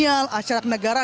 nah acara ke negara